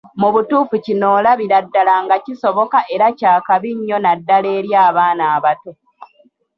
Mu butuufu kino olabira ddala nga kisoboka era kya kabi nnyo naddala eri abaana abato.